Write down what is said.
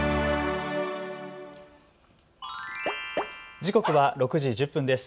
時刻は６時１０分です。